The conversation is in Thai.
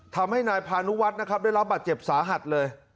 ทำให้นายพานุวัฒน์นะครับได้รับบาดเจ็บสาหัสเลย